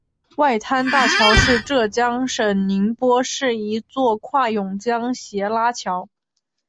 外滩大桥是浙江省宁波市一座跨甬江斜拉桥。